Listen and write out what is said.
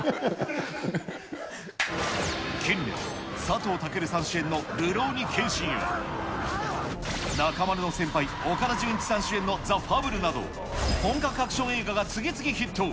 近年、佐藤健さん主演のるろうに剣心や、中丸の先輩、岡田准一さん主演のザ・ファブルなど、本格アクション映画が次々ヒット。